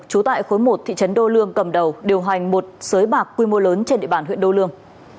trú tại khối một thị trấn đô lương cầm đầu điều hành một sới bạc quy mô lớn trên địa bàn huyện đô lương